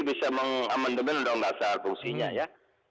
bisa mengamandemen undang undang dasar fungsinya ya